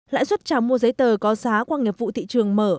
lãi suất trào mua giấy tờ có giá qua nghiệp vụ thị trường mở